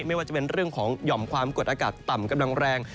ไม่ว่าจะเป็นเรื่องของหย่อมความกดอากาศต่ำกำลังแรง